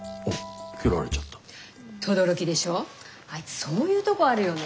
あいつそういうとこあるよね。